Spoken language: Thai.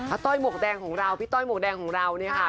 ต้อยหมวกแดงของเราพี่ต้อยหมวกแดงของเราเนี่ยค่ะ